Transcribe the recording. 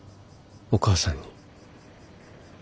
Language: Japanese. お母さんに。